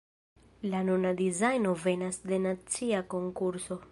La nuna dizajno venas de nacia konkurso.